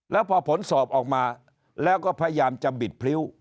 แล้วพอผลสอบออกมาแล้วก็พยายามจะบิดพริ้ว